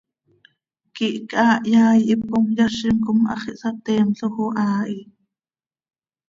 quih chaa hyaai hipcom yazim com hax ihsateemloj oo haa hi.